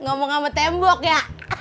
ngomong sama tembok ya